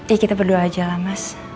eh kita berdoa aja lah mas